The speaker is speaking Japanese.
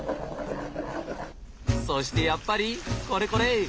そしてやっぱりこれこれ！